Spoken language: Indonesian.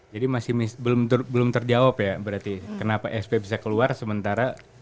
jadi masih belum terjawab ya berarti kenapa sp bisa keluar sementara